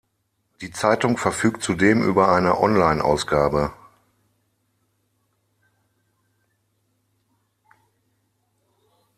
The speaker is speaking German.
Die Zeitung verfügt zudem über eine Onlineausgabe.